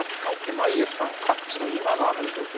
眞家さん、各地の今の雨の状況